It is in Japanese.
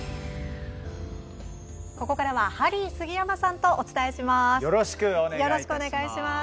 ここからはハリー杉山さんとお伝えします。